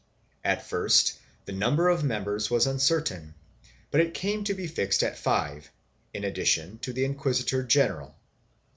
At first the number of members was uncertain, but it came to be fixed at five, in addition to the inquisitor general.